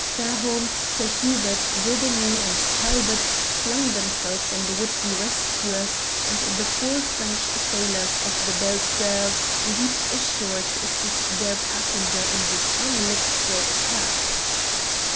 Fairholme, Sir Hubert, Daubeney and Talbot flung themselves on the would be rescuers, and the four French sailors of the Belles Soeurs leaped ashore to assist their passenger in this unlooked for attack.